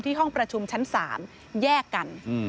ห้องประชุมชั้น๓แยกกัน